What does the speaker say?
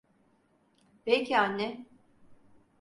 Peki anne.